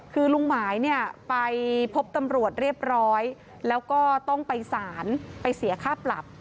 คือลุงหมายเนี่ยไปพบตำรวจเรียบร้อยแล้วก็ต้องไปสารไปเสียค่าปรับ